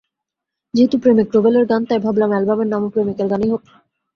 যেহেতু প্রেমিক রুবেলের গান, তাই ভাবলাম, অ্যালবামের নামও প্রেমিকের গানই হোক।